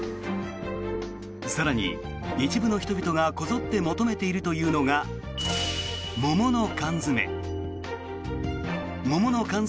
更に、一部の人々がこぞって求めているというのが桃の缶詰。